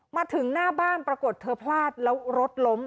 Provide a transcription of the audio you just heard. มาถึงหน้าบ้านปรากฏเธอพลาดแล้วรถล้ม